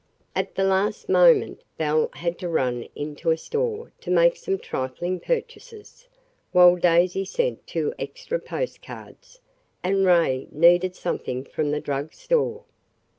At the last moment Belle had to run into a store to make some trifling purchases, while Daisy sent two extra postcards, and Ray needed something from the drug store.